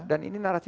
dan ini narasi baru